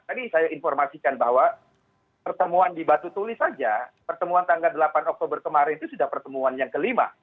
tadi saya informasikan bahwa pertemuan di batu tulis saja pertemuan tanggal delapan oktober kemarin itu sudah pertemuan yang kelima